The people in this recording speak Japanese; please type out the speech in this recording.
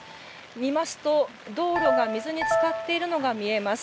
見ますと道路が水につかっているのが見えます。